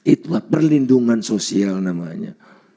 itulah perlindungan sosial namanya